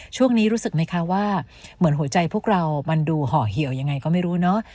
ช่วงนี้รู้สึกไหมคะว่าเหมือนหัวใจพวกเรามันดูห่อเหี่ยวยังไงก็ไม่รู้เนอะ